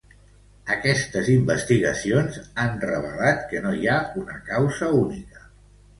Aquestes investigacions ha revelat que no hi ha una causa única.